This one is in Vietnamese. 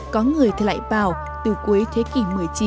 có người thì lại bảo từ cuối thế kỷ một mươi chín